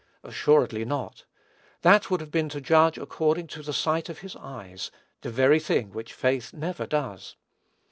Assuredly not. That would have been to judge according to the sight of his eyes, the very thing which faith never does.